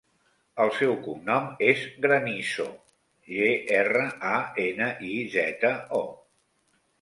El seu cognom és Granizo: ge, erra, a, ena, i, zeta, o.